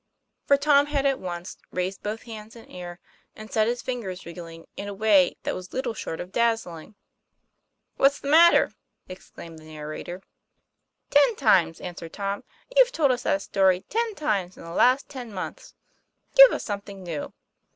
For Tom had at once raised both hands in air, and set his fingers wriggling in a way that was little short of dazzling. 'What's the matter?" exclaimed the narrator. 'Ten times," answered Tom. "You've told us that story ten times in the last ten months. Give us something new."